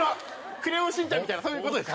『クレヨンしんちゃん』みたいなそういう事です。